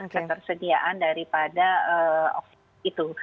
ketersediaan daripada itu